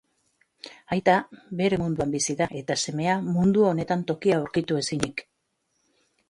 Aita, bere munduan bizi da eta semea mundu honetan tokia aurkitu ezinik.